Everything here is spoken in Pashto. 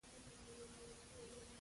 په قوانینو کې اسانتیات رامنځته کول.